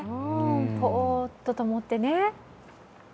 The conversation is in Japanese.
ぽうっとともってね。